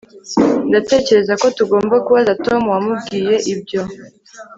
Ndatekereza ko tugomba kubaza Tom wamubwiye ibyo